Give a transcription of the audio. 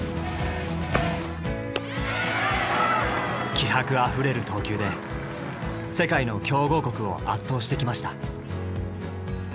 気迫あふれる投球で世界の強豪国を圧倒してきました。